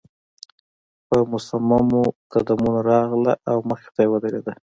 په مصممو قدمونو راغله او مخې ته يې ودرېده.